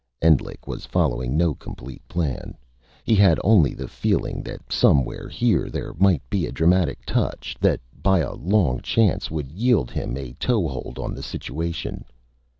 Endlich was following no complete plan. He had only the feeling that somewhere here there might be a dramatic touch that, by a long chance, would yield him a toehold on the situation.